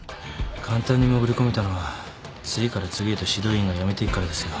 簡単に潜り込めたのは次から次へと指導員が辞めていくからですよ。